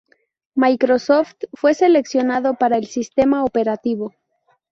Microsoft fue seleccionado para el sistema operativo.